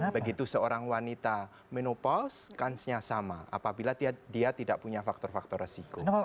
begitu seorang wanita menopaus kansnya sama apabila dia tidak punya faktor faktor resiko